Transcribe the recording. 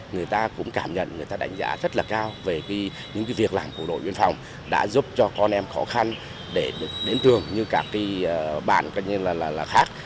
người ta cũng cảm nhận người ta đánh giá rất là cao về những việc làm của bộ đội biên phòng đã giúp cho con em khó khăn để đến trường như các bạn khác